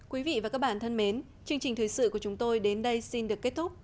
quý vị và các bạn thân mến chương trình thời sự của chúng tôi đến đây xin được kết thúc